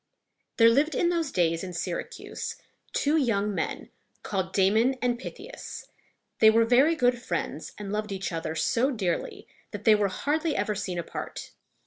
There lived in those days in Syracuse two young men called Da´mon and Pyth´i as. They were very good friends, and loved each other so dearly that they were hardly ever seen apart.